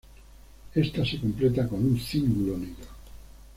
Ésta se complementa con un cíngulo negro.